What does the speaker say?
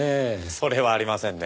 それはありませんね。